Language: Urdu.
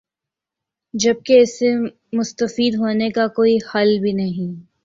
جبکہ اس سے مستفید ہونے کا کوئی بل بھی نہیں